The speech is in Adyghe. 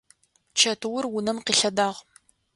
Чэтыур унэм къилъэдагъ.